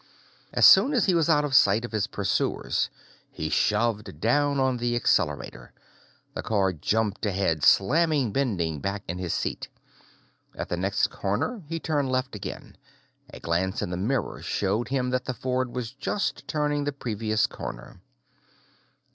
As soon as he was out of sight of his pursuers, he shoved down on the accelerator. The car jumped ahead, slamming Bending back in his seat. At the next corner, he turned left again. A glance in the mirror showed him that the Ford was just turning the previous corner.